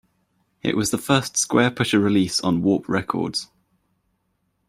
It was the first Squarepusher release on Warp Records.